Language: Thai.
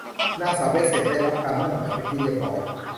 นางสาว แบสเส็ตท์ ได้รับการหมั้นหมายเป็นที่เรียบร้อย